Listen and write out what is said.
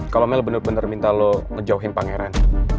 kalau mel bener bener minta lo ngejauhin pangeran